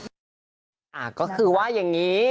นะอ่ะก็คืออย่างนี้